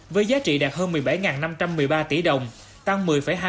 với giá trị đạt hơn một mươi bảy năm trăm một mươi ba tỷ đồng tăng một mươi hai